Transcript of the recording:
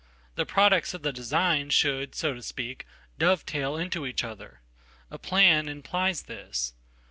The products of the designshould, so to speak, dovetail into each other. A plan implies this.